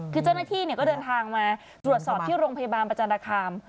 คือเจ้าหน้าที่ก็เดินทางมาตรวจสอบที่โรงพยาบาลประจันตคาม